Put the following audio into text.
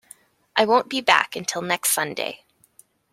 I won't be back until next Sunday.